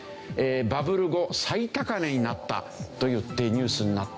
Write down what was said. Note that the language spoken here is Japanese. バブル後最高値になったといってニュースになった。